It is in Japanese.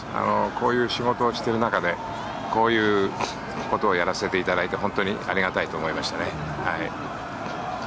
こういう仕事をしている中でこういうことをやらせていただいて本当にありがたいなと思いましたね。